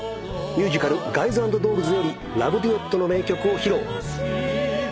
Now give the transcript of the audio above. ミュージカル『ガイズ＆ドールズ』よりラブデュエットの名曲を披露。